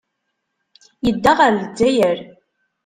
Yedda ɣer Lezzayer.